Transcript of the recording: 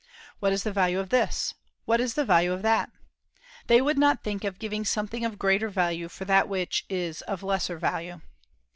"What is the value of this? What is the value of that?" They would not think of giving something of greater value for that which is of lesser value.